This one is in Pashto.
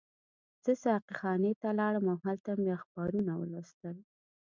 زه ساقي خانې ته لاړم او هلته مې اخبارونه ولوستل.